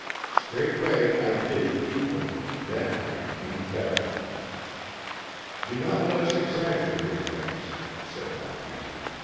Straightway I did evil. Then I became better." "Do not let us exaggerate things," said Maurice.